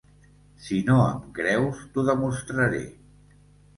Si no em creus, t"ho demostraré.